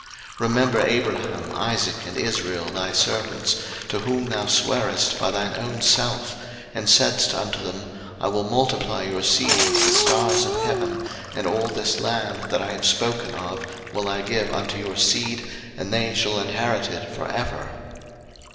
02:032:013 Remember Abraham, Isaac, and Israel, thy servants, to whom thou swarest by thine own self, and saidst unto them, I will multiply your seed as the stars of heaven, and all this land that I have spoken of will I give unto your seed, and they shall inherit it for ever.